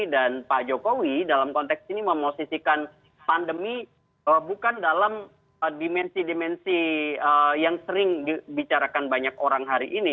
dan pak jokowi dalam konteks ini memosisikan pandemi bukan dalam dimensi dimensi yang sering dibicarakan banyak orang hari ini